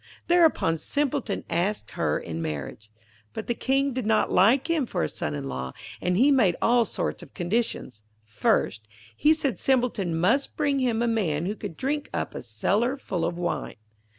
Thereupon Simpleton asked her in marriage. But the King did not like him for a son in law, and he made all sorts of conditions. First, he said Simpleton must bring him a man who could drink up a cellar full of wine.